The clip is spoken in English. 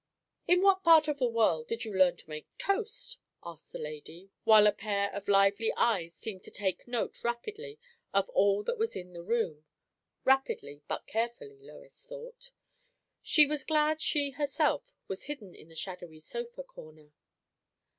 "In what part of the world did you learn to make toast?" asked the lady, while a pair of lively eyes seemed to take note rapidly of all that was in the room; rapidly but carefully, Lois thought. She was glad she herself was hidden in the shadowy sofa corner.